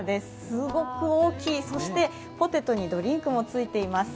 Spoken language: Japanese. すごく大きい、そしてポテトにドリンクもついています。